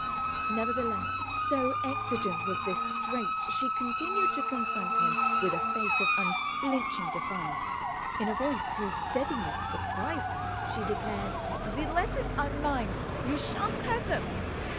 Nevertheless, so exigent was this strait, she continued to confront him with a face of unflinching defiance. In a voice whose steadiness surprised her she declared: "The letters are mine. You shan't have them."